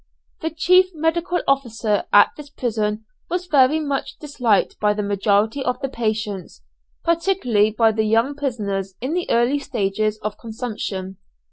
The chief medical officer at this prison was very much disliked by the majority of the patients, particularly by the young prisoners in the early stages of consumption.